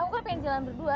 aku kan pengen jalan berdua